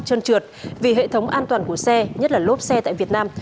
trơn trượt vì hệ thống an toàn của xe nhất là lốp xe tại việt nam